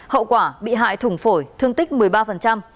hậu quả bị hại thủng phổi thương tích một mươi ba